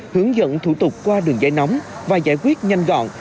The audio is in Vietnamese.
hướng dẫn thủ tục qua đường dây nóng và giải quyết nhanh gọn